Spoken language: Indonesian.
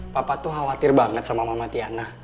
papa tuh khawatir banget sama mama tiana